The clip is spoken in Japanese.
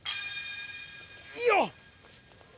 よっ！